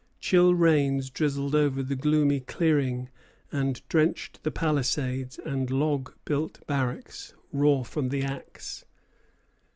Chill rains drizzled over the gloomy "clearing," and drenched the palisades and log built barracks, raw from the axe.